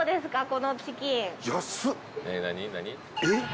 えっ？